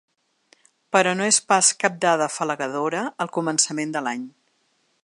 Però no és pas cap dada afalagadora al començament de l’any.